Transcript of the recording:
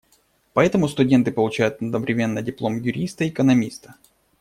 Поэтому студенты получают одновременно диплом юриста и экономиста.